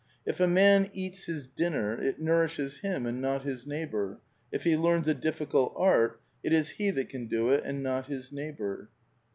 If a man eats his dinner, it nourishes him and not his neighbour; if he learns a difficult art, it is he that can do it and not his neighbour."